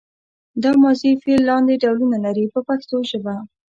دا ماضي فعل لاندې ډولونه لري په پښتو ژبه.